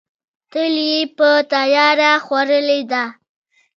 تل یې په تیاره خوړلې ده.